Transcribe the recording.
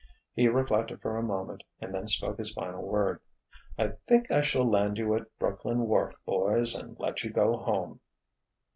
He reflected for a moment and then spoke his final word. "I think I shall land you at a Brooklyn wharf, boys, and let you go home."